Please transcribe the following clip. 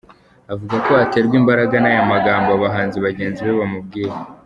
Avuga ko aterwa imbaraga n’aya magambo abahanzi bagenzi be bamubwira.